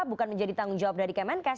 bukan menjadi tanggung jawab dari kemenkes